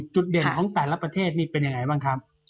จุดเด่นของแต่ละประเทศเป็นอย่างไรบ้างค่ะ